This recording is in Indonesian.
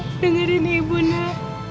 dengerin ibu nak